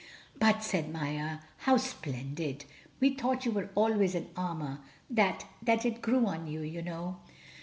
"But," said Maia, "how splendid! We thought you were always in armor—that—that it grew on you, you know."